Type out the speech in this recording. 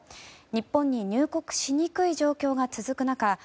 日本に入国しにくい状況が続く中